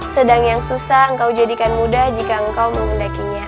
sedang yang susah engkau jadikan muda jika engkau mengendakinya